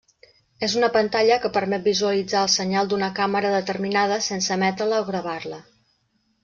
És una pantalla que permet visualitzar el senyal d'una càmera determinada sense emetre-la o gravar-la.